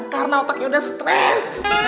karena otaknya udah stress